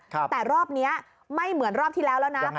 แต่รอบนี้ไม่เหมือนรอบที่แล้วแล้วนะ